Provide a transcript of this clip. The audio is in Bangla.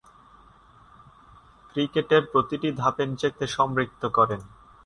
ক্রিকেটের প্রতিটি ধাপে নিজেকে সম্পৃক্ত করেন।